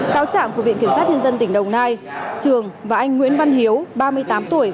cáo trạng của viện kiểm sát nhân dân tỉnh đồng nai trường và anh nguyễn văn hiếu ba mươi tám tuổi